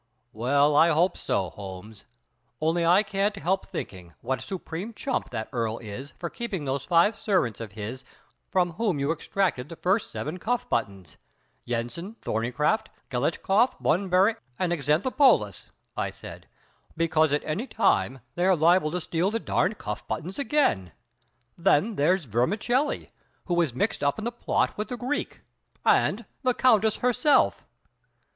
"Well, I hope so, Holmes; only I can't help thinking what a supreme chump that Earl is for keeping those five servants of his from whom you extracted the first seven cuff buttons, Yensen, Thorneycroft, Galetchkoff, Bunbury, and Xanthopoulos!" I said; "because at any time they are liable to steal the darned cuff buttons again. Then there's Vermicelli, who was mixed up in the plot with the Greek, and the Countess herself!"